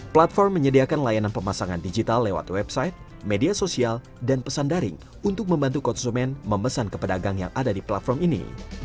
platform menyediakan layanan pemasangan digital lewat website media sosial dan pesan daring untuk membantu konsumen memesan ke pedagang yang ada di platform ini